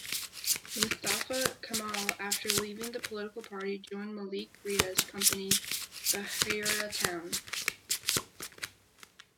Mustafa Kamal after leaving the political party, joined Malik Riaz's company Bahria Town.